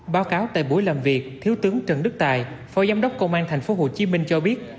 báo cáo tại buổi làm việc thiếu tướng trần đức tài phó giám đốc công an tp hcm cho biết